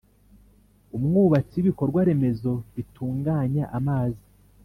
Umwubatsi w ibikorwaremezo bitunganya amazi